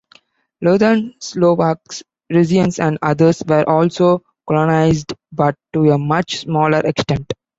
Lutheran Slovaks, Rusyns, and others were also colonized but to a much smaller extent.